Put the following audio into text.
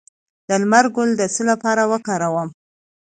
د لمر ګل د څه لپاره وکاروم؟